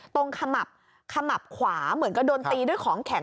ขมับขมับขวาเหมือนก็โดนตีด้วยของแข็ง